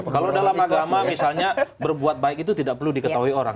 kalau dalam agama misalnya berbuat baik itu tidak perlu diketahui orang